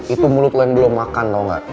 itu mulut lo yang dulu makan tau gak